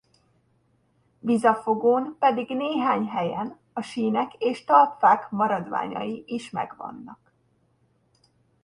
Vizafogón pedig néhány helyen a sínek és talpfák maradványai is megvannak.